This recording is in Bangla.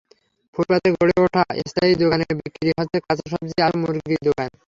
ফুটপাতে গড়ে ওঠা স্থায়ী দোকানে বিক্রি হচ্ছে কাঁচা সবজি, আছে মুরগির দোকান।